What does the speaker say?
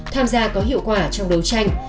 tham gia có hiệu quả trong đấu tranh